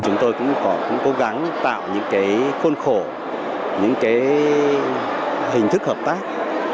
chúng tôi cũng cố gắng tạo những cái khôn khổ những cái hình thức hợp tác